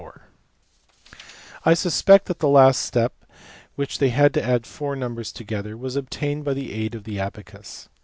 131 I suspect that the last step, in which they had to add four numbers together, was obtained by the aid of the abacus.